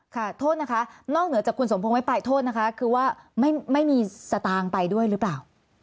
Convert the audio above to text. โทษนะคะนอกเหนือจากคุณสมพงษไม่ไปโทษนะคะคือว่าไม่มีสตางค์ไปด้วยหรือเปล่า